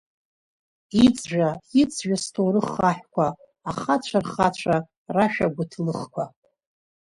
Иҵжәа-иҵжәа сҭоурых хаҳәқәа, ахацәа рхацәа рашәа гәыҭлыхқәа.